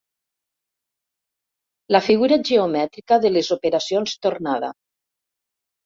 La figura geomètrica de les operacions tornada.